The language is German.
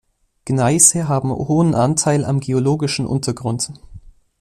Gneise haben hohen Anteil am geologischen Untergrund.